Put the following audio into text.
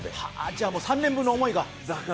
じゃあ３年分の思いが。